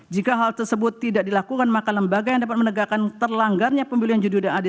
jika hal tersebut tidak dilakukan maka lembaga yang dapat menegakkan terlanggarnya pemilu yang jujur dan adil